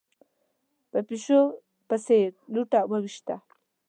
په پيشو پسې يې لوټه وويشته.